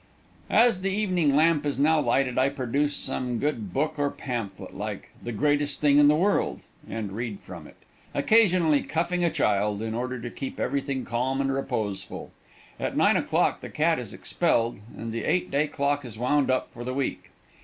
As the evening lamp is now lighted, I produce some good book or pamphlet like "The Greatest Thing in the World," and read from it, occasionally cuffing a child in order to keep everything calm and reposeful. At 9 o'clock the cat is expelled and the eight day clock is wound up for the week.